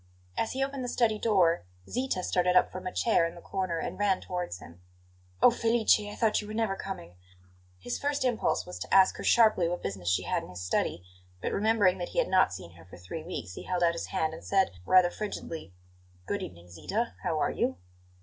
As he opened the study door, Zita started up from a chair in the corner and ran towards him. "Oh, Felice; I thought you were never coming!" His first impulse was to ask her sharply what business she had in his study; but, remembering that he had not seen her for three weeks, he held out his hand and said, rather frigidly: "Good evening, Zita; how are you?"